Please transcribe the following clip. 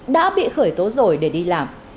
đã bị khởi tố rồi để đi làm